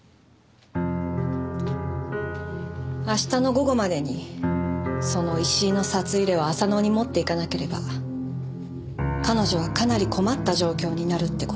明日の午後までにその石井の札入れを浅野に持っていかなければ彼女はかなり困った状況になるって事。